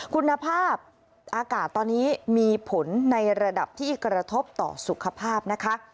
คุณภาพอากาศตอนนี้มีผลในระดับที่กระทบต่อสุขภาพนะคะ